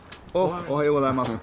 おおはようございます。